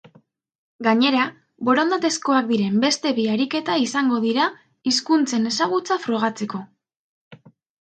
Gainera, borondatezkoak diren beste bi ariketa izango dira, hizkuntzen ezagutza frogatzeko.